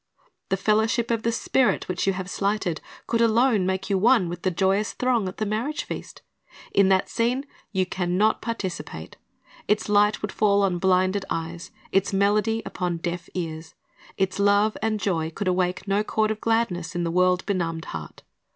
The fellow.ship of the Spirit, which you have slighted, could alone make you one with the joyous throng at the marriage feast. In that scene you can not participate. Its light would fall on blinded eyes, its melody upon deaf ears. Its love and joy could awake no chord of gladness in the world benumbed heart.